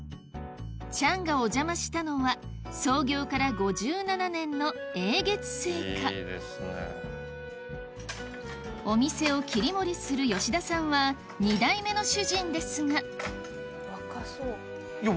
チャンがお邪魔したのはお店を切り盛りする吉田さんは２代目の主人ですが若そう。